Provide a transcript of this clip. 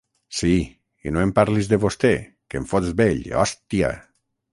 Sí, i no em parlis de vostè, que em fots vell, hòstia!